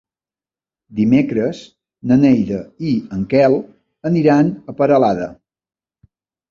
Dimecres na Neida i en Quel aniran a Peralada.